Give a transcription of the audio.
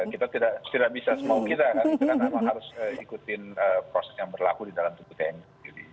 kita tidak bisa semua kita harus ikuti proses yang berlaku di dalam tubuh tni